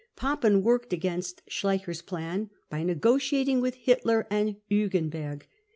Papen workdl against Schleicher's plan by negotiating with Hitler and Hugenberg.